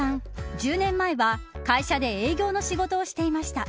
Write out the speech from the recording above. １０年前は、会社で営業の仕事をしていました。